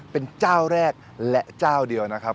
เป็นเจ้าแรกและเจ้าเดียวนะครับ